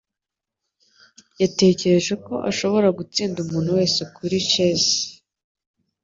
Yatekereje ko ashobora gutsinda umuntu wese kuri chess